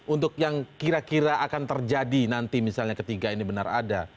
untuk yang kira kira akan terjadi nanti misalnya ketiga ini benar ada